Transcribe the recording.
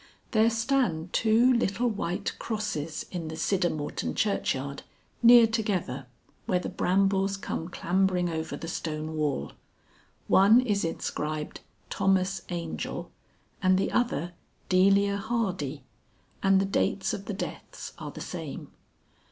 There stand two little white crosses in the Siddermorton churchyard, near together, where the brambles come clambering over the stone wall. One is inscribed Thomas Angel and the other Delia Hardy, and the dates of the deaths are the same.